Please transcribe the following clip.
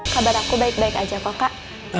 kabar aku baik baik aja kok kak